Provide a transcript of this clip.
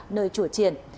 nơi chùa triển